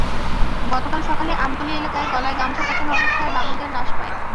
গতকাল সকালে আমতলী এলাকায় গলায় গামছা প্যাঁচানো অবস্থায় বাবুল দের লাশ পায়।